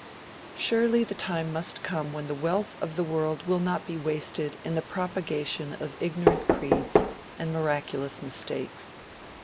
Surely the time must come when the wealth of the world will not be wasted in the propagation of ignorant creeds and miraculous mistakes.